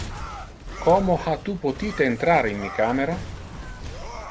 Como ha tu potite entrar in mi camera?